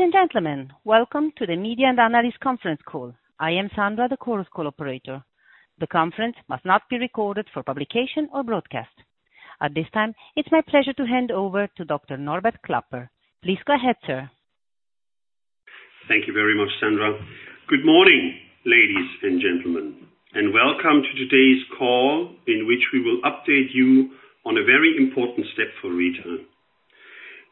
Ladies and gentlemen, welcome to the Media and Analyst Conference Call. I am Sandra, the conference call operator. The conference must not be recorded for publication or broadcast. At this time, it's my pleasure to hand over to Dr. Norbert Klapper. Please go ahead, sir. Thank you very much, Sandra. Good morning, ladies and gentlemen, and welcome to today's call, in which we will update you on a very important step for Rieter.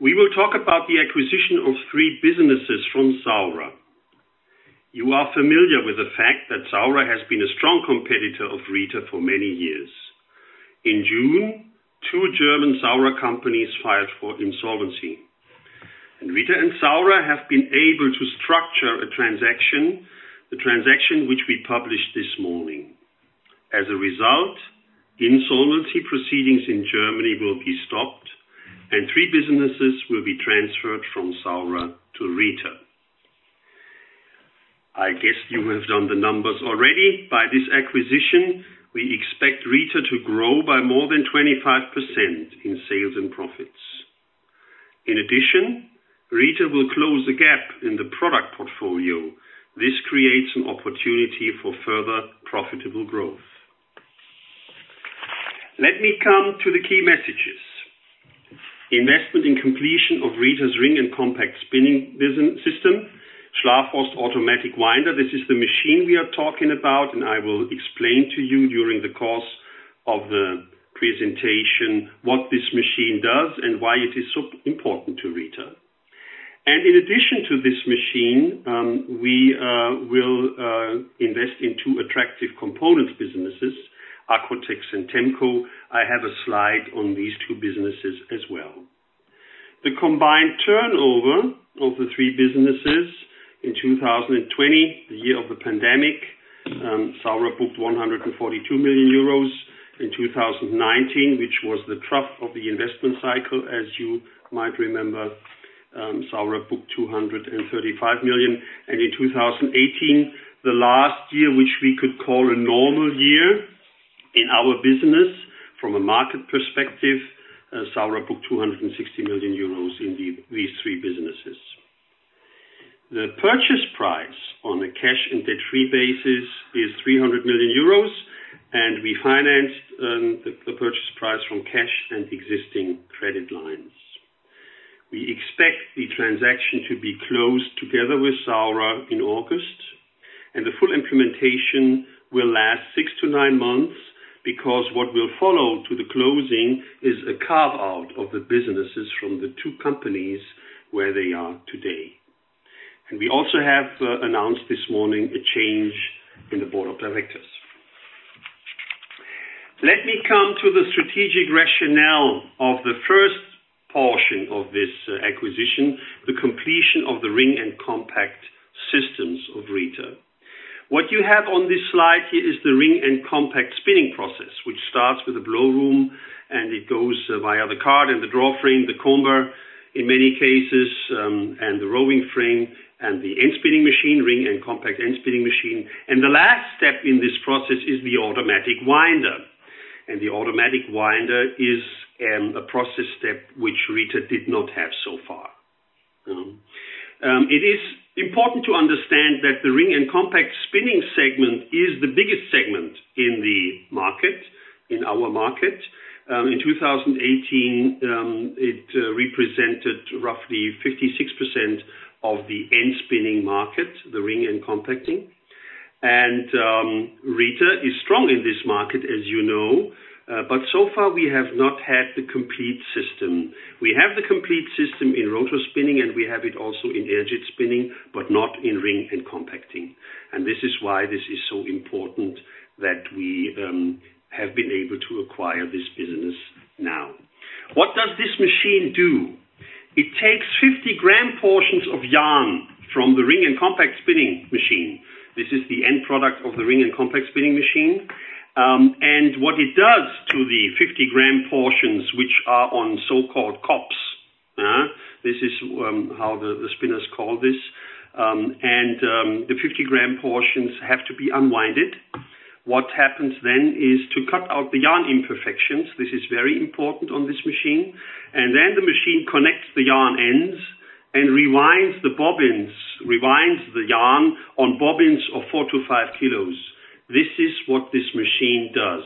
We will talk about the acquisition of three businesses from Saurer. You are familiar with the fact that Saurer has been a strong competitor of Rieter for many years. In June, two German Saurer companies filed for insolvency, and Rieter and Saurer have been able to structure a transaction, the transaction which we published this morning. As a result, insolvency proceedings in Germany will be stopped, and three businesses will be transferred from Saurer to Rieter. I guess you have done the numbers already. By this acquisition, we expect Rieter to grow by more than 25% in sales and profits. In addition, Rieter will close the gap in the product portfolio. This creates an opportunity for further profitable growth. Let me come to the key messages. Investment and completion of Rieter's ring and compact spinning system, Schlafhorst automatic winder. This is the machine we are talking about. I will explain to you during the course of the presentation what this machine does and why it is so important to Rieter. In addition to this machine, we will invest in two attractive components businesses, Accotex and Temco. I have a slide on these two businesses as well. The combined turnover of the three businesses in 2020, the year of the pandemic, Saurer booked 142 million euros. In 2019, which was the trough of the investment cycle, as you might remember, Saurer booked 235 million. In 2018, the last year, which we could call a normal year in our business from a market perspective, Saurer booked 260 million euros in these three businesses. The purchase price on a cash and debt-free basis is 300 million euros. We financed the purchase price from cash and existing credit lines. We expect the transaction to be closed together with Saurer in August. The full implementation will last six to nine months, because what will follow to the closing is a carve-out of the businesses from the two companies where they are today. We also have announced this morning a change in the board of directors. Let me come to the strategic rationale of the first portion of this acquisition, the completion of the ring and compact systems of Rieter. What you have on this slide here is the ring and compact spinning process, which starts with a blow room. It goes via the card and the draw frame, the comber in many cases, the roving frame and the end spinning machine, ring and compact end spinning machine. The last step in this process is the automatic winder. The automatic winder is a process step which Rieter did not have so far. It is important to understand that the ring and compact spinning segment is the biggest segment in the market, in our market. In 2018, it represented roughly 56% of the end spinning market, the ring and compact spinning. Rieter is strong in this market, as you know. So far, we have not had the complete system. We have the complete system in rotor spinning. We have it also in air jet spinning, but not in ring and compact spinning. This is why this is so important that we have been able to acquire this business now. What does this machine do? It takes 50 gram portions of yarn from the ring and compact spinning machine. This is the end product of the ring and compact spinning machine. What it does to the 50 gram portions, which are on so-called cops. This is how the spinners call this. The 50 gram portions have to be unwinded. What happens then is to cut out the yarn imperfections. This is very important on this machine. Then the machine connects the yarn ends and rewinds the bobbins, rewinds the yarn on bobbins of four to five kilos. This is what this machine does.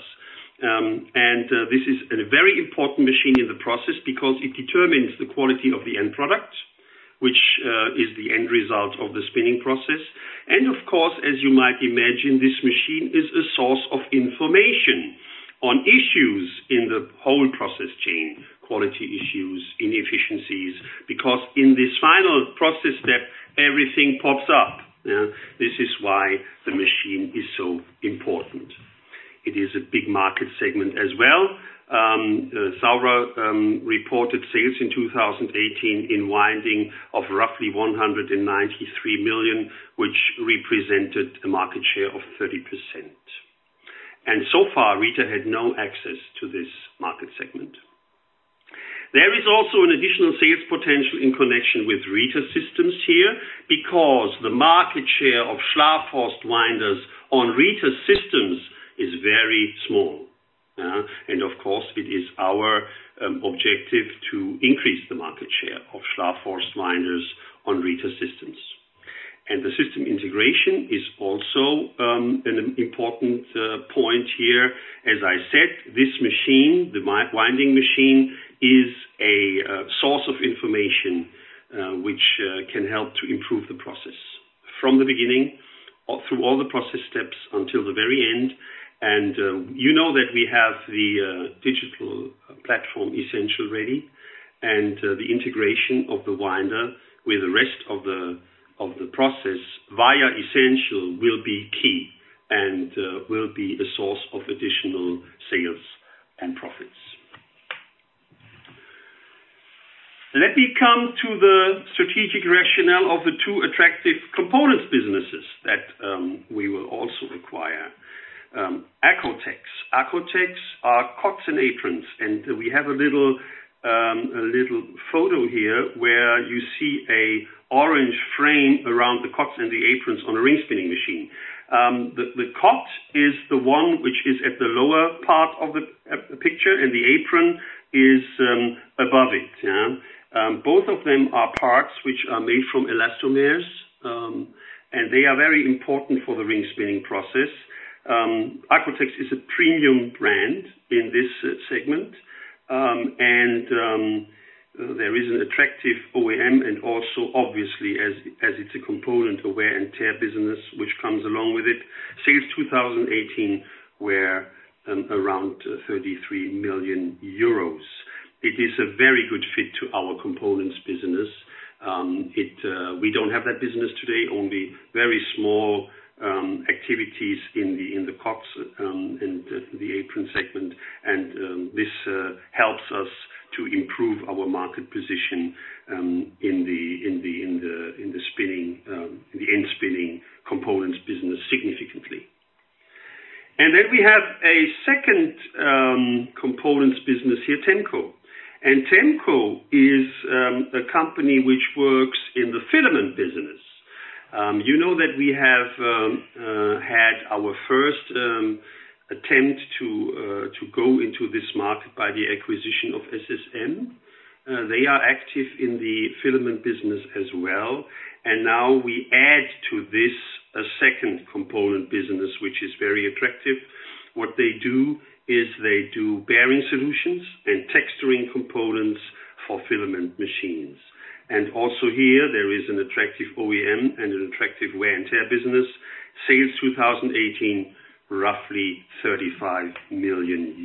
This is a very important machine in the process because it determines the quality of the end product, which is the end result of the spinning process. Of course, as you might imagine, this machine is a source of information on issues in the whole process chain, quality issues, inefficiencies, because in this final process step, everything pops up. This is why the machine is so important. It is a big market segment as well. Saurer reported sales in 2018 in winding of roughly 193 million, which represented a market share of 30%. So far, Rieter had no access to this market segment. There is also an additional sales potential in connection with Rieter systems here, because the market share of Schlafhorst winders on Rieter systems is very small. It is our objective to increase the market share of Schlafhorst winders on Rieter systems. The system integration is also an important point here. As I said, this machine, the winding machine, is a source of information which can help to improve the process from the beginning, through all the process steps, until the very end. You know that we have the digital platform ESSENTIAL ready, and the integration of the winder with the rest of the process via ESSENTIAL will be key and will be a source of additional sales and profits. Let me come to the strategic rationale of the two attractive components businesses that we will also acquire. Accotex. Accotex are cots and aprons, and we have a little photo here where you see a orange frame around the cots and the aprons on a ring spinning machine. The cot is the one which is at the lower part of the picture, and the apron is above it. Both of them are parts which are made from elastomers, and they are very important for the ring spinning process. Accotex is a premium brand in this segment, there is an attractive OEM and also, obviously, as it's a component wear and tear business which comes along with it. Sales 2018 were around 33 million euros. It is a very good fit to our components business. We don't have that business today, only very small activities in the cots and aprons segment. This helps us to improve our market position in the end spinning components business significantly. We have a second components business here, Temco. Temco is a company which works in the filament business. You know that we have had our first attempt to go into this market by the acquisition of SSM. They are active in the filament business as well. Now we add to this a second component business, which is very attractive. They do bearing solutions and texturing components for filament machines. Also here, there is an attractive OEM and an attractive wear and tear business. Sales 2018, roughly EUR 35 million.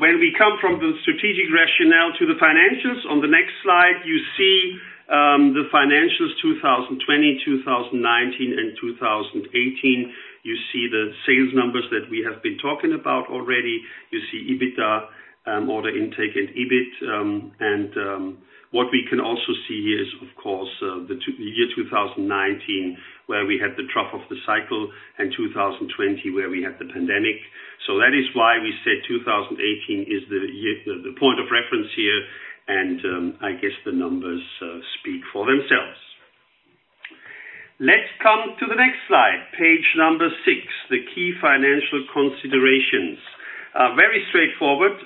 When we come from the strategic rationale to the financials on the next slide, you see the financials 2020, 2019 and 2018. You see the sales numbers that we have been talking about already. You see EBITDA, order intake and EBIT. What we can also see here is, of course, the year 2019, where we had the trough of the cycle, and 2020, where we had the pandemic. That is why we said 2018 is the point of reference here. I guess the numbers speak for themselves. Let's come to the next slide, page number six, the key financial considerations. Very straightforward.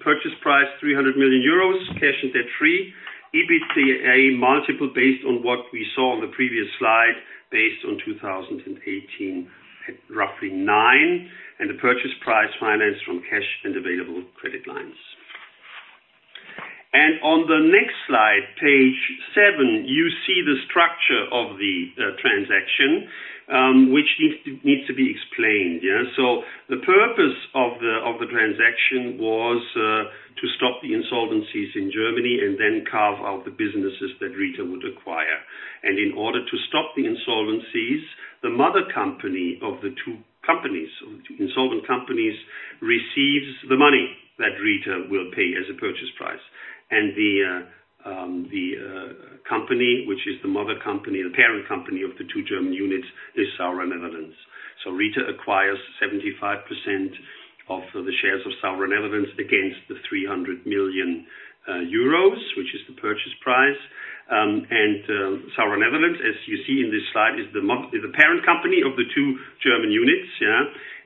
Purchase price, 300 million euros, cash and debt-free. EBITDA multiple based on what we saw on the previous slide, based on 2018, at roughly nine. The purchase price financed from cash and available credit lines. On the next slide, page seven, you see the structure of the transaction, which needs to be explained. The purpose of the transaction was to stop the insolvencies in Germany and then carve out the businesses that Rieter would acquire. In order to stop the insolvencies, the mother company of the two insolvent companies receives the money that Rieter will pay as a purchase price. The company, which is the mother company, the parent company of the two German units, is Saurer Netherlands. Rieter acquires 75% of the shares of Saurer Netherlands against the 300 million euros, which is the purchase price. Saurer Netherlands, as you see in this slide, is the parent company of the two German units.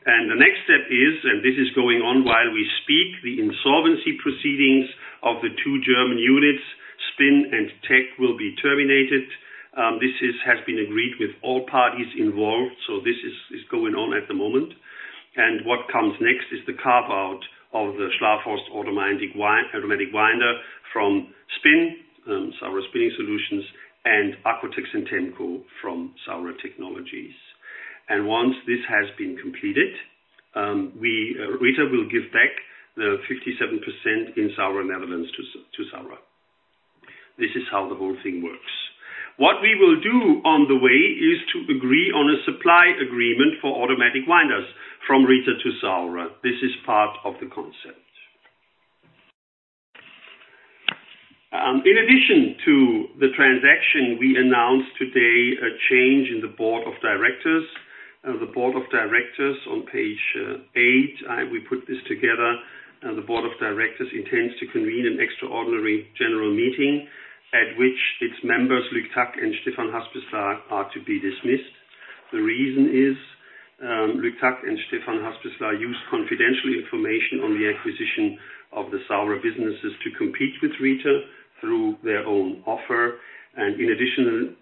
The next step is, and this is going on while we speak, the insolvency proceedings of the two German units, Spin and Tech, will be terminated. This has been agreed with all parties involved, so this is going on at the moment. What comes next is the carve-out of the Schlafhorst automatic winder from Saurer Spinning Solutions and Accotex and Temco from Saurer Technologies. Once this has been completed, Rieter will give back the 57% in Saurer Netherlands to Saurer. This is how the whole thing works. What we will do on the way is to agree on a supply agreement for automatic winders from Rieter to Saurer. This is part of the concept. In addition to the transaction, we announced today a change in the board of directors. The board of directors on page eight. We put this together. The board of directors intends to convene an extraordinary general meeting at which its members, Luc Tack and Stefaan Haspeslagh, are to be dismissed. The reason is, Luc Tack and Stefaan Haspeslagh used confidential information on the acquisition of the Saurer businesses to compete with Rieter through their own offer. In addition,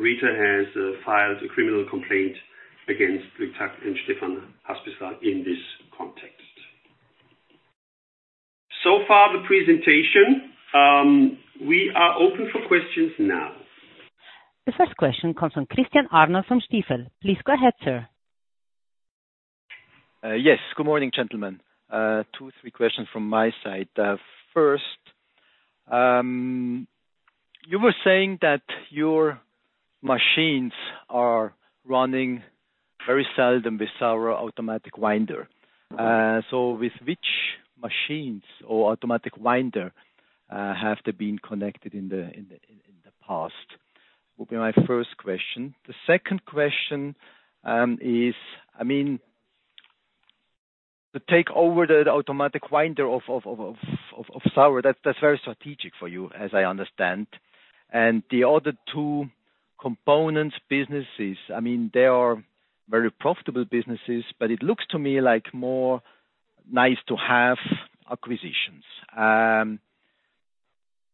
Rieter has filed a criminal complaint against Luc Tack and Stefaan Haspeslagh in this context. So far, the presentation. We are open for questions now. The first question comes from Christian Arnold from Stifel. Please go ahead, sir. Yes. Good morning, gentlemen. Two, three questions from my side. First, you were saying that your machines are running very seldom with Saurer automatic winder. With which machines or automatic winder, have they been connected in the past, would be my 1st question. The second question is, to take over the automatic winder of Saurer, that is very strategic for you, as I understand. The other two components businesses, they are very profitable businesses, but it looks to me like more nice to have acquisitions.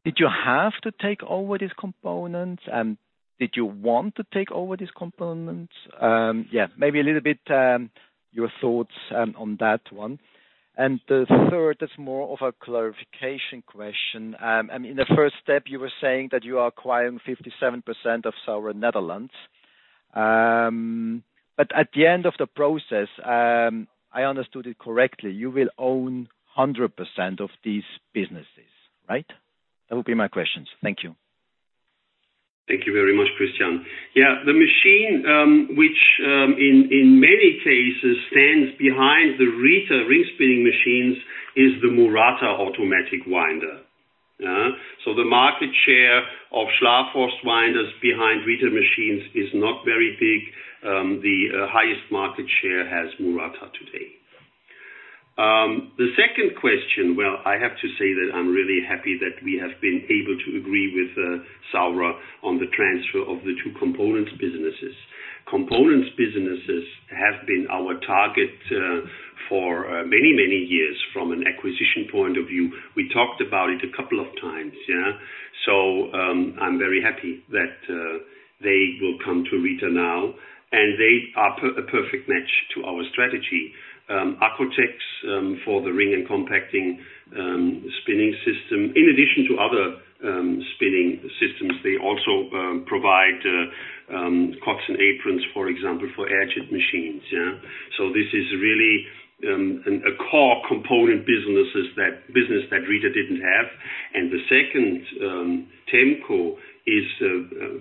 Did you have to take over these components, and did you want to take over these components? Yeah, maybe a little bit, your thoughts on that one. The 3rd is more of a clarification question. In the 1st step, you were saying that you are acquiring 57% of Saurer Netherlands. At the end of the process, I understood it correctly, you will own 100% of these businesses, right? That would be my questions. Thank you. Thank you very much, Christian. The machine, which in many cases stands behind the Rieter ring spinning machines, is the Murata automatic winder. The market share of Schlafhorst winders behind Rieter machines is not very big. The highest market share has Murata today. The second question, well, I have to say that I'm really happy that we have been able to agree with Saurer on the transfer of the two components businesses. Components businesses have been our target for many, many years from an acquisition point of view. We talked about it a couple of times. I'm very happy that they will come to Rieter now and they are a perfect match to our strategy. Accotex, for the ring and compact spinning system. In addition to other spinning systems, they also provide cots and aprons, for example, for air jet machines. This is really a core component business that Rieter didn't have. The second, Temco, is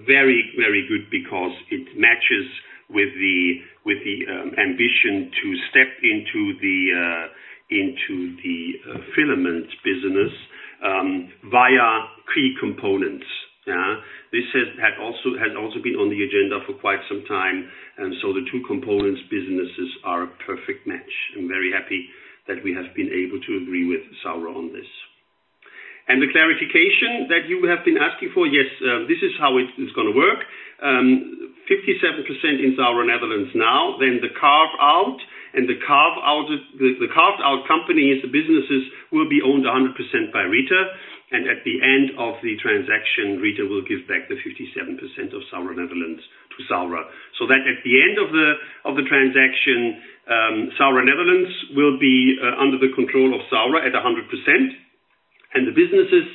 very, very good because it matches with the ambition to step into the filament business, via key components. This has also been on the agenda for quite some time, the two components businesses are a perfect match. I'm very happy that we have been able to agree with Saurer on this. The clarification that you have been asking for, yes, this is how it is going to work. 57% in Saurer Netherlands now, then the carve-out, and the carved-out companies, the businesses, will be owned 100% by Rieter. At the end of the transaction, Rieter will give back the 57% of Saurer Netherlands to Saurer. That at the end of the transaction, Saurer Netherlands will be under the control of Saurer at 100%. The businesses,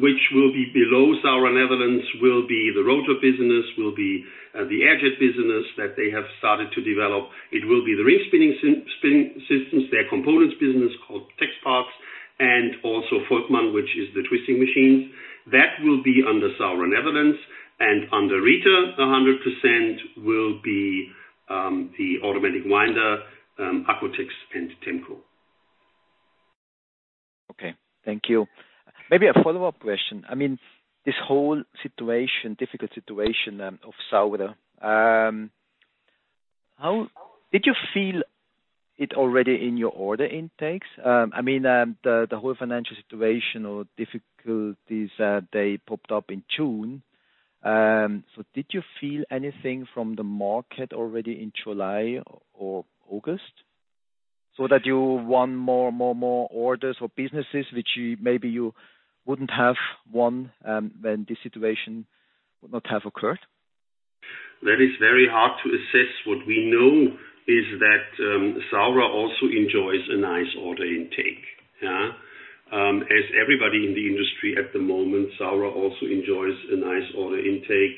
which will be below Saurer Netherlands, will be the rotor business, will be the air jet business that they have started to develop. It will be the ring spinning systems, their components business called Texparts, and also Volkmann, which is the twisting machines. That will be under Saurer Netherlands. Under Rieter, 100%, will be the automatic winder, Accotex and Temco. Okay. Thank you. Maybe a follow-up question. This whole difficult situation of Saurer, did you feel it already in your order intakes? The whole financial situation or difficulties, they popped up in June. Did you feel anything from the market already in July or August, so that you won more orders or businesses, which maybe you wouldn't have won, when this situation would not have occurred? That is very hard to assess. What we know is that Saurer also enjoys a nice order intake. As everybody in the industry at the moment, Saurer also enjoys a nice order intake.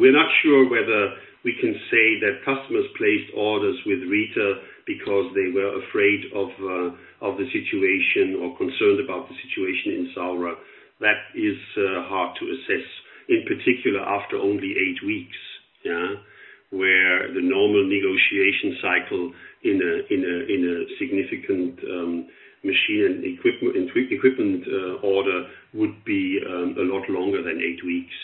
We are not sure whether we can say that customers placed orders with Rieter because they were afraid of the situation or concerned about the situation in Saurer. That is hard to assess, in particular, after only eight weeks. Where the normal negotiation cycle in a significant machine and equipment order would be a lot longer than eight weeks.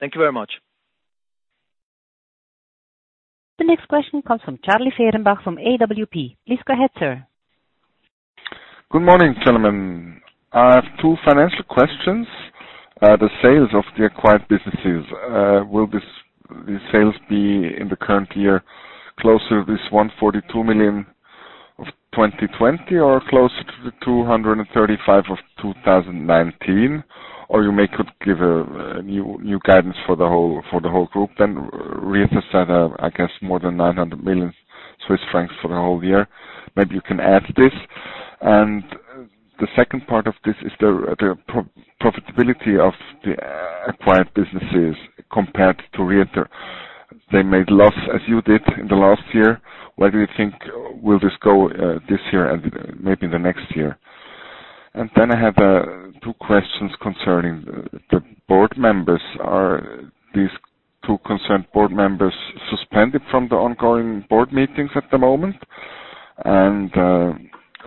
Thank you very much. The next question comes from Charlie Fehrenbach from AWP. Please go ahead, sir. Good morning, gentlemen. I have two financial questions. The sales of the acquired businesses, will the sales be in the current year closer to this 142 million of 2020 or closer to the 235 million of 2019? You may could give a new guidance for the whole group, then reiterate that, I guess more than 900 million Swiss francs for the whole year. Maybe you can add to this. The second part of this is the profitability of the acquired businesses compared to Rieter. They made loss as you did in the last year. Where do you think will this go this year and maybe the next year? Then I have two questions concerning the board members. Are these two concerned board members suspended from the ongoing board meetings at the moment?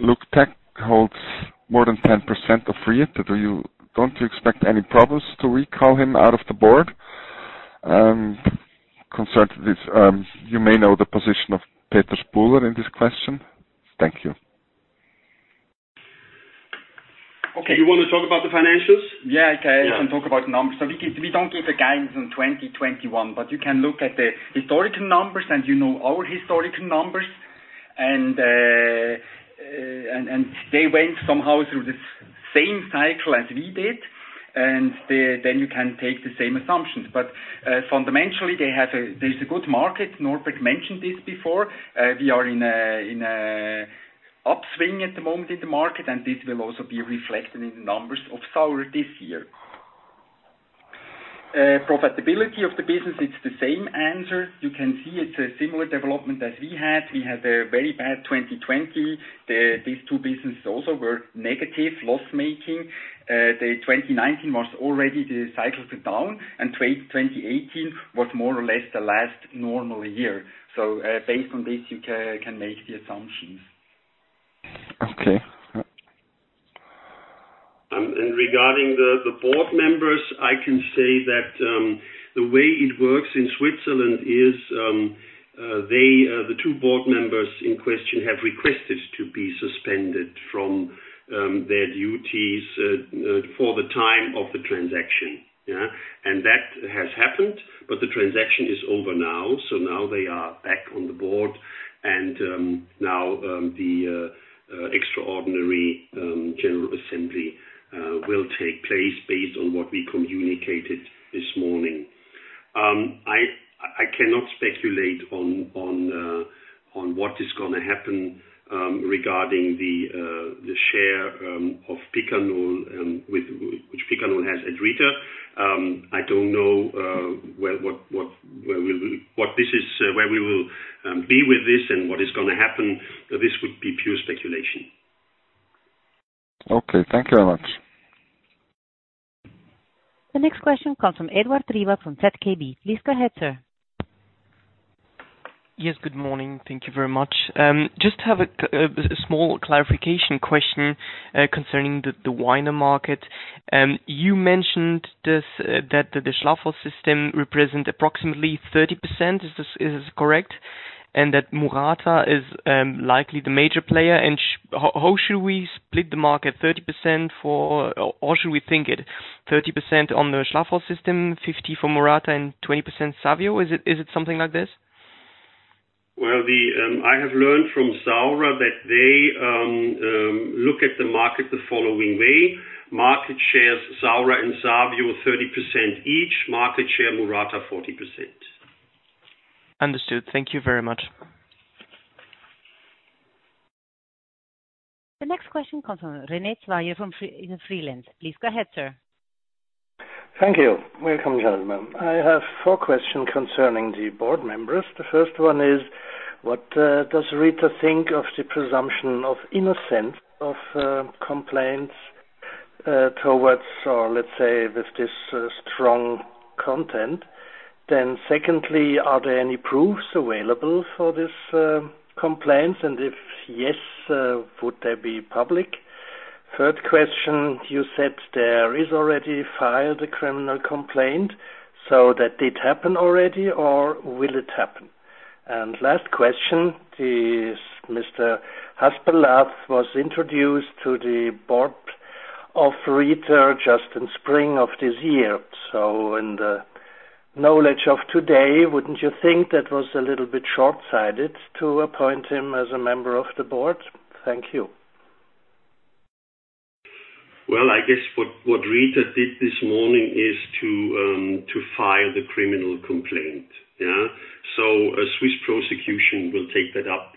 Luc Tack holds more than 10% of Rieter. Don't you expect any problems to recall him out of the board? Concerning this, you may know the position of Peter Spuhler in this question. Thank you. Okay. You want to talk about the financials? Yeah. I can talk about numbers. We don't give the guidance in 2021, but you can look at the historical numbers, and you know our historical numbers. They went somehow through the same cycle as we did, and then you can take the same assumptions. Fundamentally, there's a good market. Norbert mentioned this before. We are in a upswing at the moment in the market, and this will also be reflected in the numbers of Saurer this year. Profitability of the business, it's the same answer. You can see it's a similar development as we had. We had a very bad 2020. These two businesses also were negative, loss-making. The 2019 was already the cycle down, and 2018 was more or less the last normal year. Based on this, you can make the assumptions. Okay. Regarding the board members, I can say that the way it works in Switzerland is the two board members in question have requested to be suspended from their duties for the time of the transaction. Yeah. That has happened. The transaction is over now. Now they are back on the board. Now the extraordinary general assembly will take place based on what we communicated this morning. I cannot speculate on what is going to happen regarding the share which Picanol has at Rieter. I don't know where we will be with this and what is going to happen. This would be pure speculation. Okay. Thank you very much. The next question comes from Edouard Riva from ZKB. Please go ahead, sir. Yes, good morning. Thank you very much. Just have a small clarification question concerning the Winder market. You mentioned that the Schlafhorst system represent approximately 30%, is this correct? That Murata is likely the major player, and how should we split the market, 30% or should we think it 30% on the Schlafhorst system, 50% for Murata, and 20% Savio? Is it something like this? Well, I have learned from Saurer that they look at the market the following way. Market shares, Saurer and Savio, 30% each, market share Murata 40%. Understood. Thank you very much. The next question comes from René Zeyer from Freelance. Please go ahead, sir. Thank you. Welcome, gentlemen. I have four questions concerning the board members. The first one is, what does Rieter think of the presumption of innocence of complaints towards, or let's say, with this strong content? Secondly, are there any proofs available for these complaints, and if yes, would they be public? Third question, you said there is already filed a criminal complaint, so that it happened already or will it happen? Last question is, Mr. Haspeslagh was introduced to the board of Rieter just in spring of this year. In the knowledge of today, wouldn't you think that was a little bit shortsighted to appoint him as a member of the board? Thank you. Well, I guess what Rieter did this morning is to file the criminal complaint. Yeah. Swiss prosecution will take that up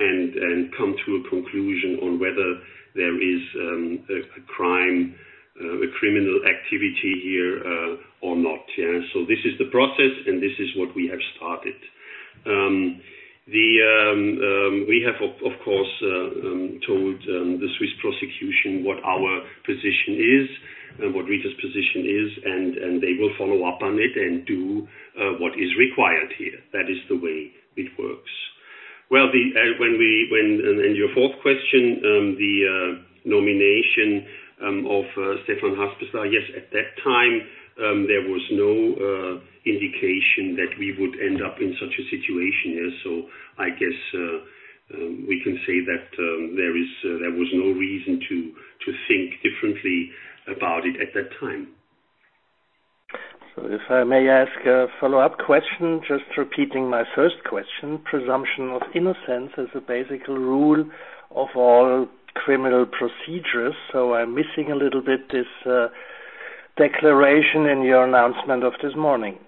and come to a conclusion on whether there is a crime, a criminal activity here or not. Yeah. This is the process, and this is what we have started. We have, of course, told the Swiss prosecution what our position is and what Rieter's position is, and they will follow up on it and do what is required here. That is the way it works. Your fourth question, the nomination of Stefaan Haspeslagh, yes, at that time, there was no indication that we would end up in such a situation. I guess we can say that there was no reason to think differently about it at that time. If I may ask a follow-up question, just repeating my first question. Presumption of innocence is a basic rule of all criminal procedures. I'm missing a little bit this declaration in your announcement of this morning.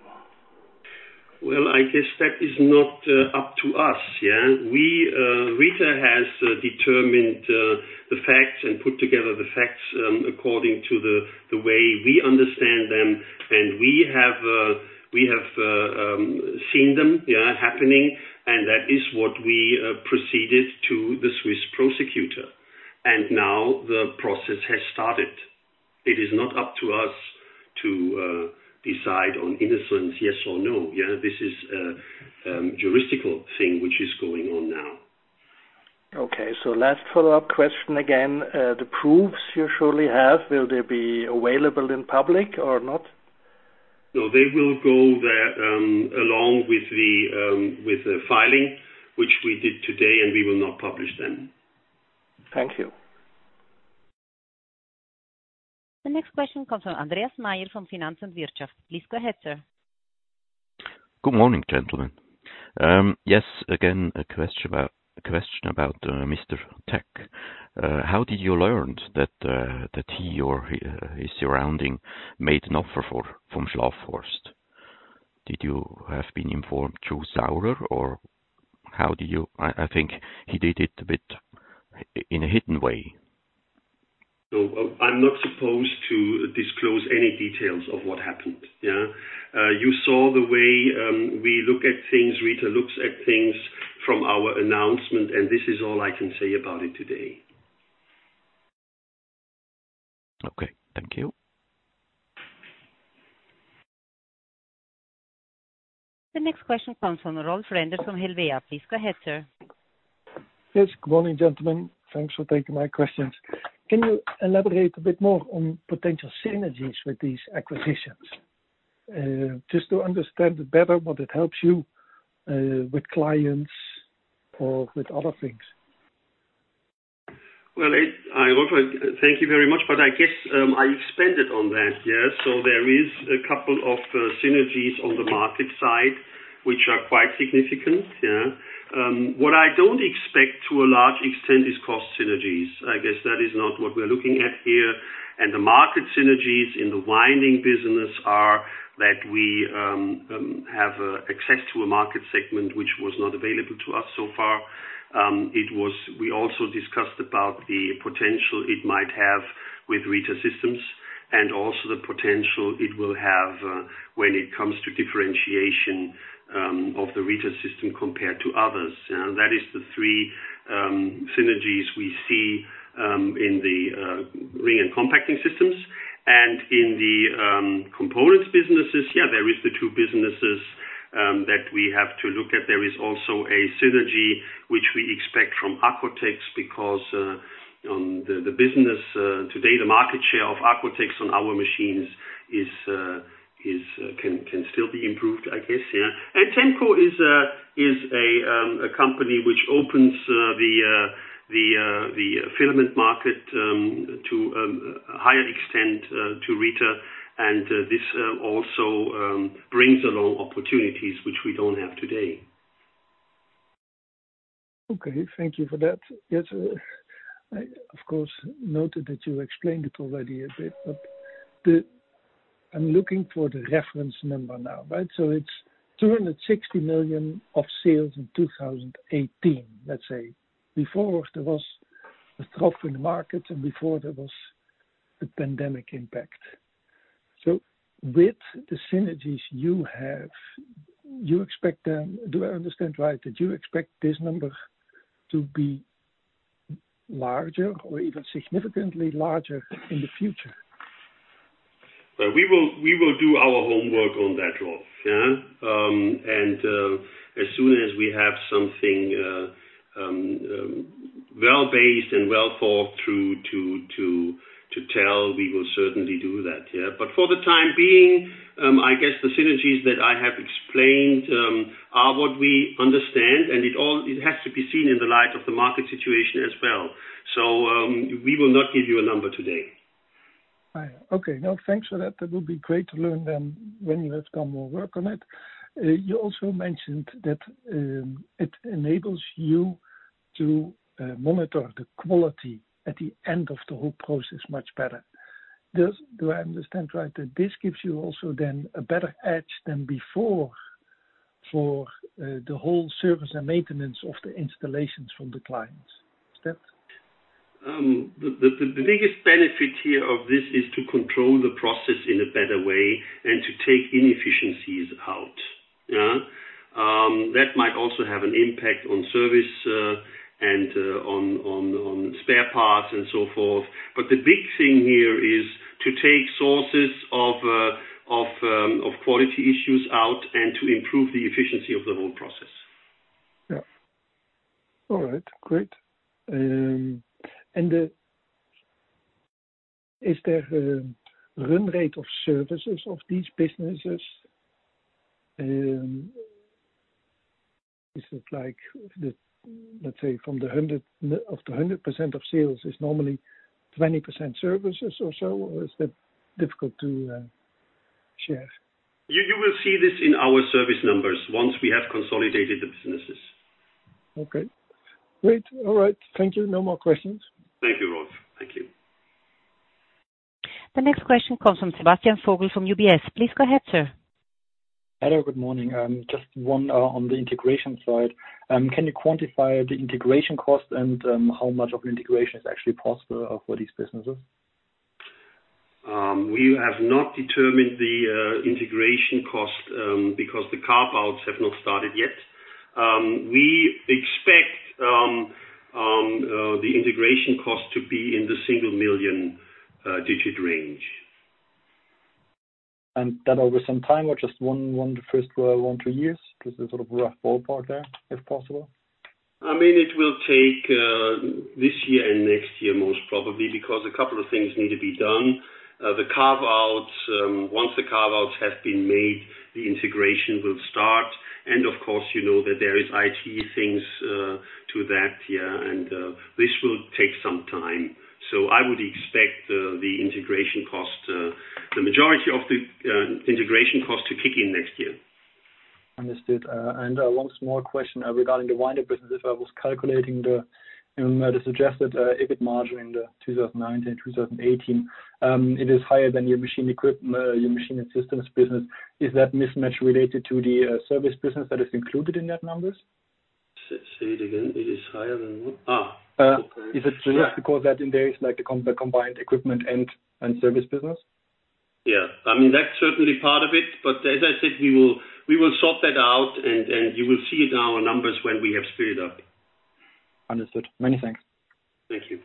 Well, I guess that is not up to us. Rieter has determined the facts and put together the facts according to the way we understand them, and we have seen them happening, and that is what we proceeded to the Swiss prosecutor. Now the process has started. It is not up to us to decide on innocence, yes or no. This is a juridical thing which is going on now. Okay, last follow-up question again. The proofs you surely have, will they be available in public or not? No, they will go there along with the filing, which we did today, and we will not publish them. Thank you. The next question comes from Andreas Meier from Finanz und Wirtschaft. Please go ahead, sir. Good morning, gentlemen. Yes, again, a question about Mr. Tack. How did you learn that he or his surrounding made an offer for Schlafhorst? Did you have been informed through Saurer? I think he did it a bit in a hidden way. I'm not supposed to disclose any details of what happened. You saw the way we look at things, Rieter looks at things from our announcement, and this is all I can say about it today. Okay. Thank you. The next question comes from Rolf Renders from Helvea. Please go ahead, sir. Yes, good morning, gentlemen. Thanks for taking my questions. Can you elaborate a bit more on potential synergies with these acquisitions? Just to understand better what it helps you, with clients or with other things. Well, Rolf, thank you very much, but I guess I expanded on that. There is a couple of synergies on the market side which are quite significant. What I don't expect to a large extent is cost synergies. I guess that is not what we're looking at here. The market synergies in the winding business are that we have access to a market segment which was not available to us so far. We also discussed about the potential it might have with Rieter systems and also the potential it will have when it comes to differentiation of the Rieter system compared to others. That is the three synergies we see in the ring and compact spinning systems. In the components businesses, there is the two businesses that we have to look at. There is also a synergy which we expect from Accotex because the business today, the market share of Accotex on our machines can still be improved, I guess. Temco is a company which opens the filament market to a higher extent to Rieter. This also brings along opportunities which we don't have today. Okay. Thank you for that. Yes, I of course noted that you explained it already a bit, but I'm looking for the reference number now. It's 260 million of sales in 2018, let's say. Before there was a trough in the market and before there was the pandemic impact. With the synergies you have, do I understand right that you expect this number to be larger or even significantly larger in the future? We will do our homework on that, Rolf. As soon as we have something well-based and well-thought through to tell, we will certainly do that. For the time being, I guess the synergies that I have explained are what we understand, and it has to be seen in the light of the market situation as well. We will not give you a number today. Right. Okay. No, thanks for that. That will be great to learn then when you have done more work on it. You also mentioned that it enables you to monitor the quality at the end of the whole process much better. Do I understand right that this gives you also then a better edge than before for the whole service and maintenance of the installations from the clients? The biggest benefit here of this is to control the process in a better way and to take inefficiencies out. That might also have an impact on service and on spare parts and so forth. The big thing here is to take sources of quality issues out and to improve the efficiency of the whole process. Yeah. All right. Great. Is there a run rate of services of these businesses? Is it like, let's say of the 100% of sales is normally 20% services or so, or is that difficult to share? You will see this in our service numbers once we have consolidated the businesses. Okay. Great. All right. Thank you. No more questions. Thank you, Rolf. Thank you. The next question comes from Sebastian Vogel from UBS. Please go ahead, sir. Hello, good morning. Just one on the integration side. Can you quantify the integration cost and how much of integration is actually possible for these businesses? We have not determined the integration cost because the carve-outs have not started yet. We expect the integration cost to be in the single million digit range. That over some time or just one, two years? Just a sort of rough ballpark there, if possible. It will take this year and next year, most probably, because a couple of things need to be done. The carve-outs. Once the carve-outs have been made, the integration will start. Of course, you know that there is IT things to that. Yeah. This will take some time. I would expect the majority of the integration cost to kick in next year. Understood. One small question regarding the Winder business. I was calculating the suggested EBIT margin in the 2019/2018. It is higher than your machine and systems business. Is that mismatch related to the service business that is included in those numbers? Say it again. It is higher than what? Is it just because that in there is like the combined equipment and service business? Yeah. That's certainly part of it. As I said, we will sort that out and you will see it in our numbers when we have split up. Understood. Many thanks. Thank you.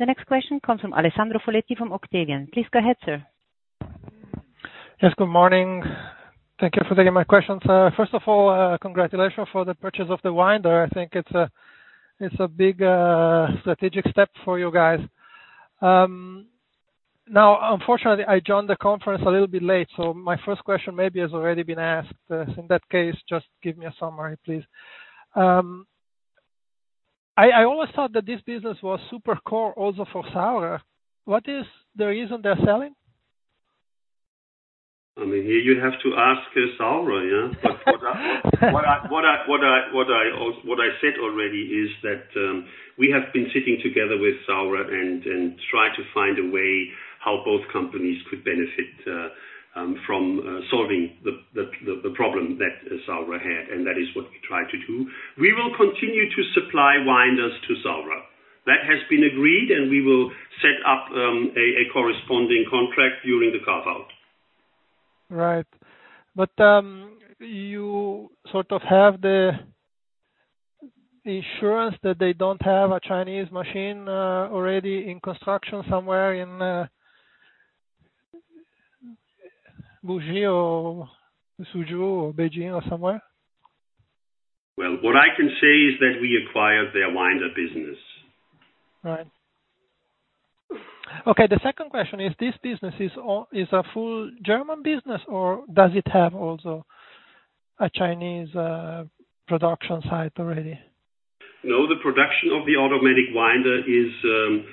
The next question comes from Alessandro Foletti from Octavian. Please go ahead, sir. Yes, good morning. Thank you for taking my questions. First of all, congratulations for the purchase of the Winder. I think it's a big strategic step for you guys. Unfortunately, I joined the conference a little bit late, my first question maybe has already been asked. In that case, just give me a summary, please. I always thought that this business was super core also for Saurer. What is the reason they're selling? You'd have to ask Saurer, yeah? What I said already is that we have been sitting together with Saurer and try to find a way how both companies could benefit from solving the problem that Saurer had, and that is what we try to do. We will continue to supply winders to Saurer. That has been agreed, and we will set up a corresponding contract during the carve-out. Right. You sort of have the insurance that they don't have a Chinese machine already in construction somewhere in Wuxi or Suzhou or Beijing or somewhere? Well, what I can say is that we acquired their Winder business. Right. Okay. The second question is, this business is a full German business, or does it have also a Chinese production site already? The production of the automatic winder is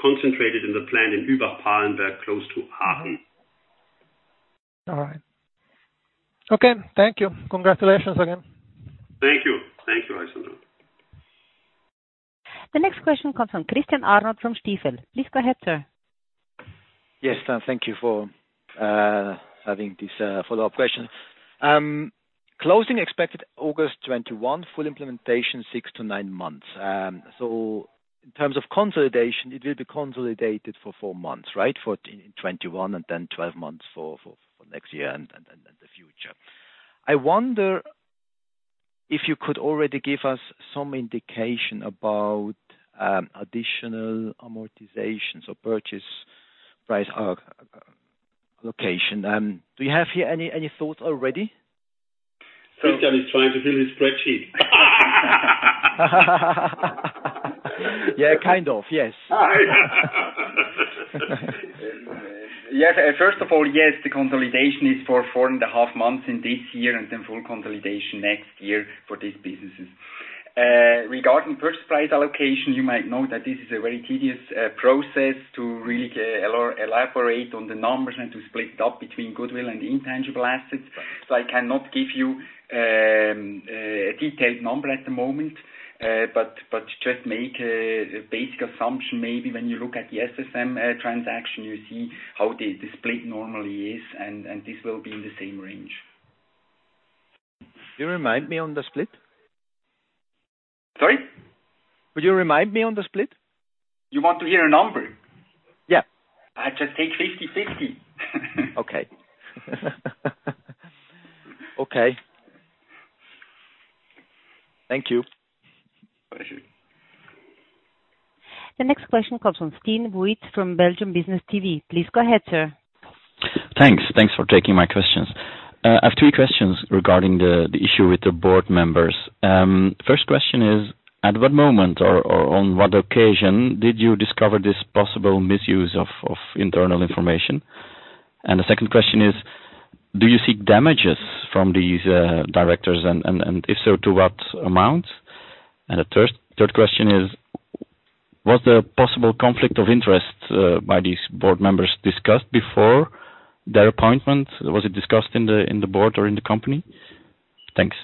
concentrated in the plant in Übach-Palenberg, close to Aachen. All right. Okay. Thank you. Congratulations again. Thank you. Thank you, Alessandro. The next question comes from Christian Arnold from Stifel. Please go ahead, sir. Yes, thank you for having this follow-up question. Closing expected August 21, full implementation six to nine months. In terms of consolidation, it will be consolidated for four months, right? For 2021 and then 12 months for next year and then the future. I wonder if you could already give us some indication about additional amortizations or purchase price allocation. Do you have here any thoughts already? Christian is trying to fill his spreadsheet. Yeah, kind of. Yes. Yes. First of all, yes, the consolidation is for 4.5 months in this year and then full consolidation next year for these businesses. Regarding purchase price allocation, you might know that this is a very tedious process to really elaborate on the numbers and to split it up between goodwill and intangible assets. I cannot give you a detailed number at the moment. Just make a basic assumption. Maybe when you look at the SSM transaction, you see how the split normally is, and this will be in the same range. Can you remind me on the split? Sorry? Will you remind me on the split? You want to hear a number? Yeah. I just take 50/50. Okay. Okay. Thank you. Pleasure. The next question comes from Stijn Wuyts from Belgium Business TV. Please go ahead, sir. Thanks for taking my questions. I have three questions regarding the issue with the board members. First question is, at what moment or on what occasion did you discover this possible misuse of internal information? The second question is: Do you seek damages from these directors, and if so, to what amount? The third question is: Was there a possible conflict of interest by these board members discussed before their appointment? Was it discussed in the board or in the company? Thanks.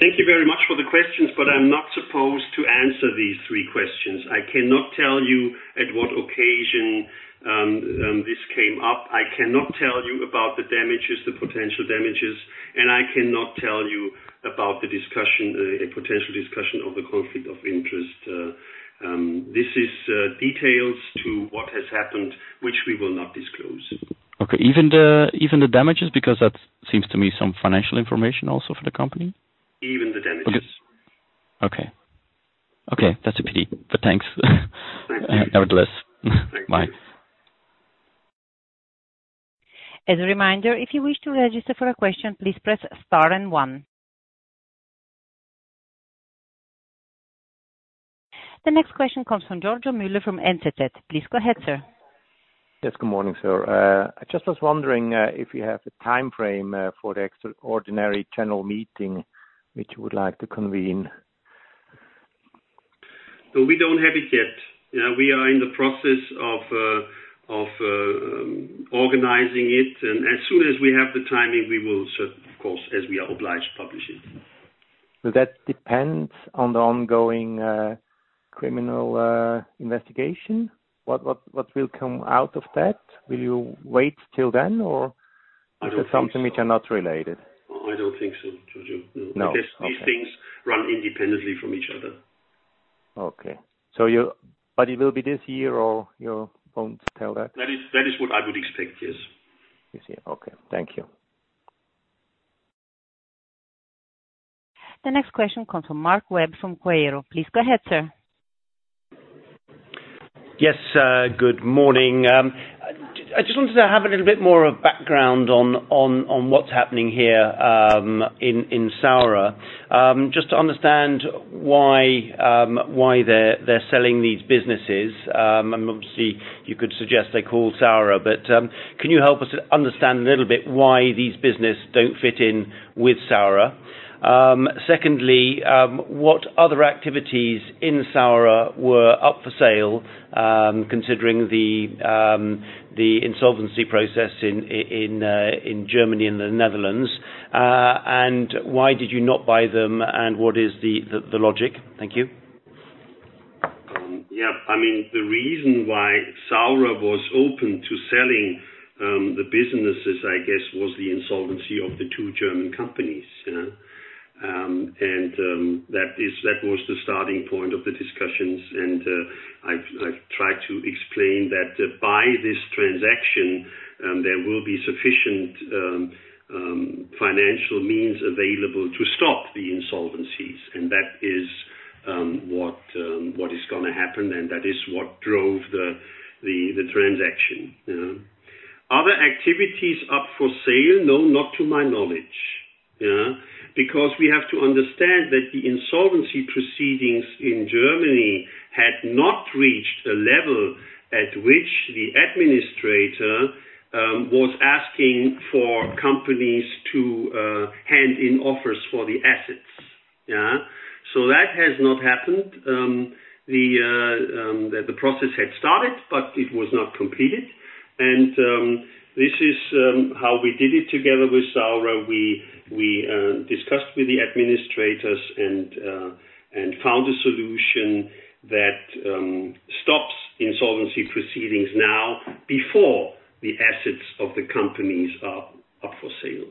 Thank you very much for the questions, but I'm not supposed to answer these three questions. I cannot tell you at what occasion this came up. I cannot tell you about the potential damages, and I cannot tell you about a potential discussion of the conflict of interest. These are details to what has happened, which we will not disclose. Okay. Even the damages? That seems to me some financial information also for the company. Even the damages. Okay. That's a pity, but thanks. Thank you. Nevertheless. Thank you. Bye. As a reminder, if you wish to register for a question, please press star and one. The next question comes from Giorgio Müller from NZZ. Please go ahead, sir. Yes. Good morning, sir. I just was wondering if you have a timeframe for the extraordinary general meeting which you would like to convene? We don't have it yet. We are in the process of organizing it, and as soon as we have the timing, we will, of course, as we are obliged, publish it. That depends on the ongoing criminal investigation? What will come out of that? Will you wait till then or is it something which are not related? I don't think so, Giorgio, no. No. Okay. These things run independently from each other. Okay. It will be this year, or you won't tell that? That is what I would expect. Yes. This year. Okay. Thank you. The next question comes from Marc Webb from Quaero. Please go ahead, sir. Yes. Good morning. I just wanted to have a little bit more of background on what's happening here in Saurer, just to understand why they're selling these businesses. Obviously, you could suggest they call Saurer, can you help us understand a little bit why these businesses don't fit in with Saurer? Secondly, what other activities in Saurer were up for sale, considering the insolvency process in Germany and the Netherlands? Why did you not buy them, and what is the logic? Thank you. Yeah. The reason why Saurer was open to selling the businesses, I guess, was the insolvency of the two German companies. That was the starting point of the discussions, and I've tried to explain that by this transaction, there will be sufficient financial means available to stop the insolvencies. That is what is going to happen, and that is what drove the transaction. Other activities up for sale, no, not to my knowledge. We have to understand that the insolvency proceedings in Germany had not reached a level at which the administrator was asking for companies to hand in offers for the assets. That has not happened. The process had started, but it was not completed. This is how we did it together with Saurer. We discussed with the administrators and found a solution that stops insolvency proceedings now before the assets of the companies are up for sale.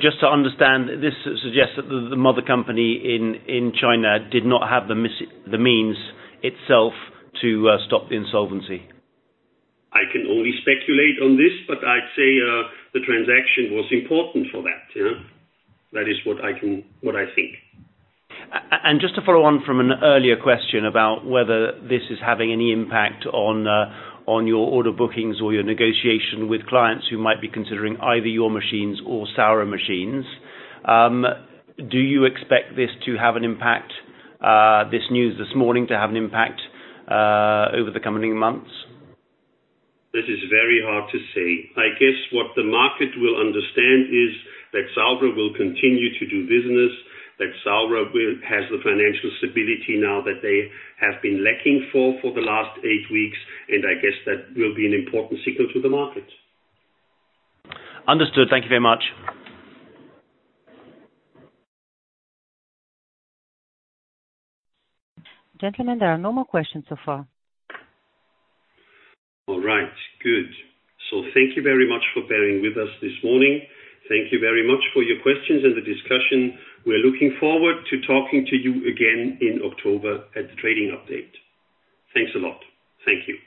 Just to understand, this suggests that the mother company in China did not have the means itself to stop the insolvency. I can only speculate on this, but I'd say the transaction was important for that. That is what I think. Just to follow on from an earlier question about whether this is having any impact on your order bookings or your negotiation with clients who might be considering either your machines or Saurer machines? Do you expect this news this morning to have an impact over the coming months? This is very hard to say. I guess what the market will understand is that Saurer will continue to do business, that Saurer has the financial stability now that they have been lacking for the last eight weeks, and I guess that will be an important signal to the market. Understood. Thank you very much. Gentlemen, there are no more questions so far. All right. Good. Thank you very much for bearing with us this morning. Thank you very much for your questions and the discussion. We are looking forward to talking to you again in October at the trading update. Thanks a lot. Thank you.